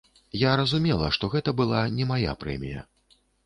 Я разумела, што гэта была не мая прэмія.